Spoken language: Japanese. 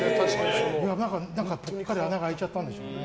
ぽっかり穴が開いちゃったんでしょうね。